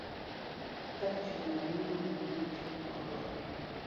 Katich orumo, bi uru un duto madwaro.